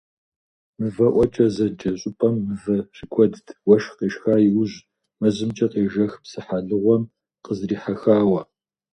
«МывэӀуэкӀэ» зэджэ щӀыпӀэм мывэ щыкуэдт, уэшх къешха иужь, мэзымкӀэ къежэх псыхьэлыгъуэм къыздрихьэхауэ.